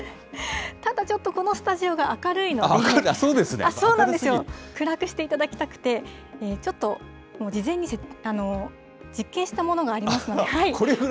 ただちょっと、このスタジオが明るいので、暗くしていただきたくて、ちょっと事前に実験したものがありますので。